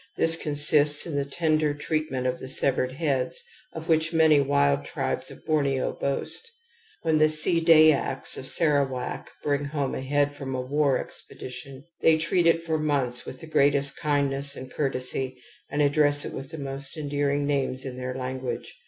This con sists in the tender treatment of the severed heads, of which many wild tribes of Borneo boast. When the See Dayaks of Sarawak bring home a head from a war expedition, they treat it for months with the greatest kindness and courtesy and address it with the most endearing names in their language.